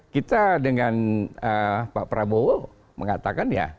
kita dengan pak prabowo mengatakan ya